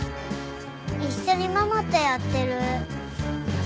一緒にママとやってる。